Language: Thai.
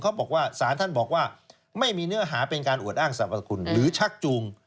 เขาบอกว่าสารท่านบอกว่าไม่มีเนื้อหาเป็นการอวดอ้างสรรพคุณหรือชักจูง